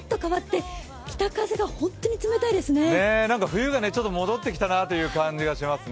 冬がちょっと戻ってきたなという感じがしますね。